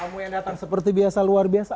kami datang seperti biasa luar biasa